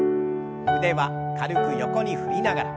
腕は軽く横に振りながら。